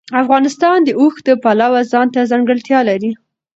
افغانستان د اوښ د پلوه ځانته ځانګړتیا لري.